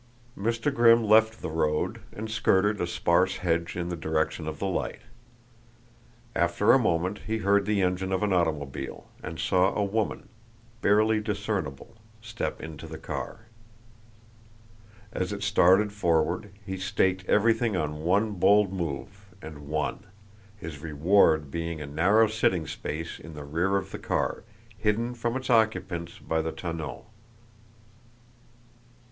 Mr. Grimm left the road and skirted a sparse hedge in the direction of the light. After a moment he heard the engine of an automobile, and saw a woman barely discernible step into the car. As it started forward he staked everything on one bold move, and won, his reward being a narrow sitting space in the rear of the car, hidden from its occupants by the tonneau.